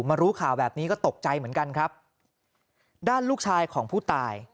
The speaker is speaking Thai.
รู้ข่าวแบบนี้ก็ตกใจเหมือนกันครับด้านลูกชายของผู้ตาย